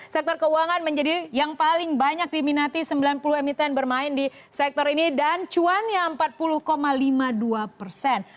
sektor keuangan menjadi yang paling banyak diminati sembilan puluh emiten bermain di sektor ini dan cuannya empat puluh lima puluh dua persen